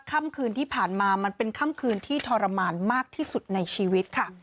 ค่ำคืนที่ผ่านมามันเป็นค่ำคืนที่ทรมานมากที่สุดในชีวิตค่ะ